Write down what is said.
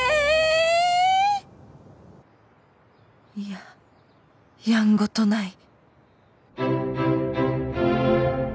ややんごとない